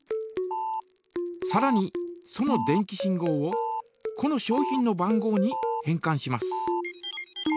さらにその電気信号をこの商品の番号に変かんします。